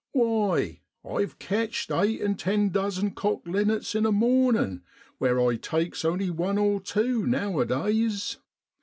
Why, I've ketcht eight an' ten dozen cock linnets in a mornin' where I takes only one or tew nowadays.